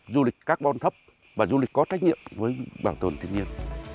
du lịch carbon thấp và du lịch có trách nhiệm với bảo tồn thiên nhiên